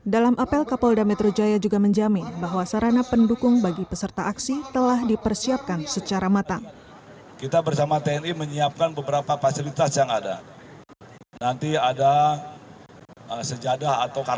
dalam apel kapolda metro jaya juga mengucapkan bahwa tni dan tni telah diperlukan penyelenggaraan untuk memperbaiki perjalanan ke jaya